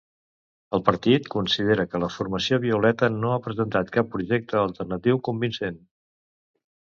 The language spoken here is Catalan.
El partit considera que la formació violeta no ha presentat cap projecte alternatiu convincent.